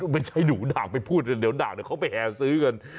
ไม่ใช่หนูด่างไปพูดเดี๋ยวด่างเดี๋ยวเขาไปแห่ซื้อกัน